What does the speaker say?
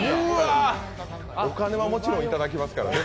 お金はもちろんいただきますからね